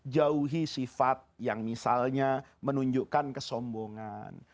jauhi sifat yang misalnya menunjukkan kesombongan